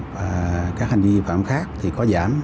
và các hành vi vi phạm khác thì có giảm